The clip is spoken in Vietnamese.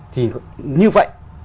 thì như vậy